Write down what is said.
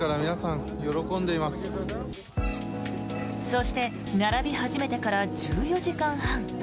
そして並び始めてから１４時間半。